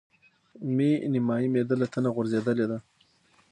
مې نيمایي معده له تنه غورځولې ده.